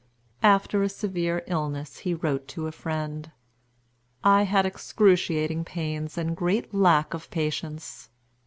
After a severe illness he wrote to a friend: "I had excruciating pains and great lack of patience.